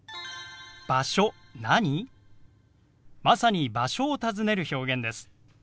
まさに場所を尋ねる表現です。